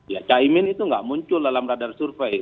ya caimin itu nggak muncul dalam radar survei